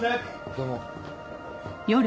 どうも。